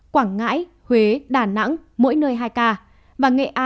quảng ngãi huế đà nẵng